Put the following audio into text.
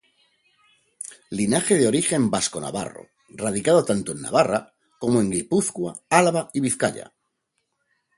Linaje de origen vasco-navarro, radicado tanto en Navarra, como en Guipúzcoa, Álava y Vizcaya.